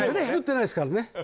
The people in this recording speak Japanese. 作ってないですからね